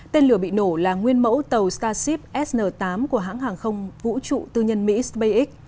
tên lửa bị nổ là nguyên mẫu tàu starship sn tám của hãng hàng không vũ trụ tư nhân mỹ spacex